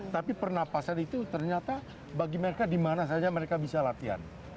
tapi pernapasan itu ternyata bagi mereka dimana saja mereka bisa latihan